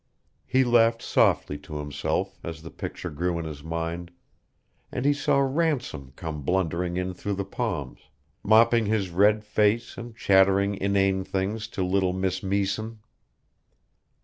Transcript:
He laughed softly to himself as the picture grew in his mind, and he saw Ransom come blundering in through the palms, mopping his red face and chattering inane things to little Miss Meesen.